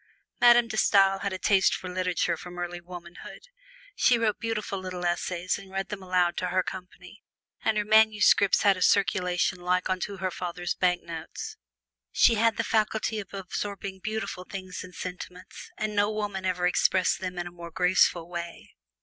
Madame De Stael had a taste for literature from early womanhood. She wrote beautiful little essays and read them aloud to her company, and her manuscripts had a circulation like unto her father's bank notes. She had the faculty of absorbing beautiful thoughts and sentiments, and no woman ever expressed them in a more graceful way.